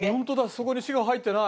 そこに「し」が入ってない。